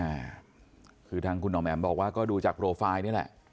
อ่าคือทางคุณหมอแหม่มบอกว่าก็ดูจากโปรไฟล์นี่แหละ